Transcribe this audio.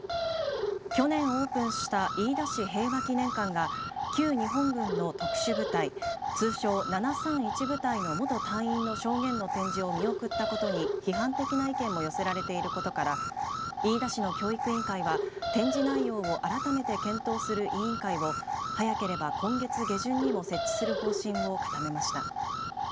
去年オープンした飯田市平和祈念館が旧日本軍の特殊部隊通称７３１部隊の元隊員の証言の展示を見送ったことに批判的な意見も寄せられていることから飯田市の教育委員会は展示内容を改めて検討する委員会を早ければ、今月下旬にも設置する方針を固めました。